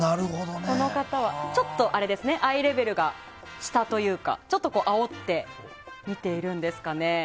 この方は、ちょっとアイレベルが下というかあおって見ているんですかね。